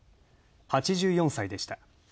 ８４歳でした。